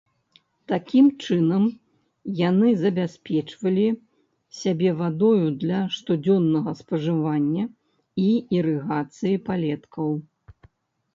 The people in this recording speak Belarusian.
Такім чынам яны забяспечвалі сябе вадою для штодзённага спажывання і ірыгацыі палеткаў.